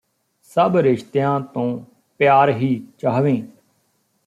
ਸਭ ਰਿਸ਼ਤਿਆ ਤੋਂ ਪਿਆਰ ਹੀ ਚਾਹਵੇਂ